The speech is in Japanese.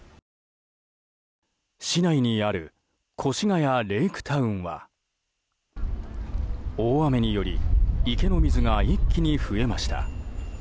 市内にある越谷レイクタウンは大雨により池の水が一気に増えました。